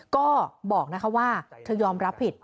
ก็บอกนะคะว่าเธอยอมรับผิด